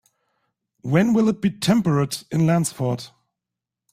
When will it be temperate in Lansford